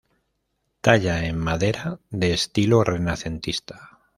Talla en madera de estilo renacentista.